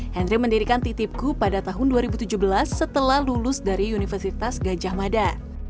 henry mendirikan titipku pada tahun dua ribu tujuh belas setelah lulus dari universitas gajah mada